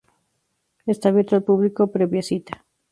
Está abierto al público previa cita.